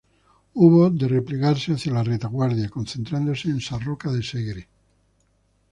Hubo de replegarse hacia la retaguardia, concentrándose en Sarroca de Segre.